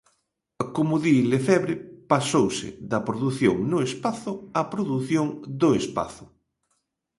Como di Lefebre, pasouse da produción no espazo á produción do espazo.